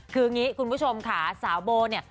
คืออย่างนี้คุณผู้ชมค่ะสาวโบเนี่ย